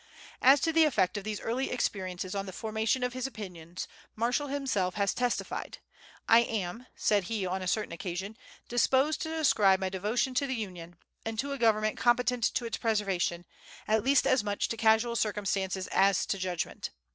As to the effect of these early experiences on the formation of his opinions, Marshall himself has testified. "I am," said he on a certain occasion, "disposed to ascribe my devotion to the Union, and to a government competent to its preservation, at least as much to casual circumstances as to judgment.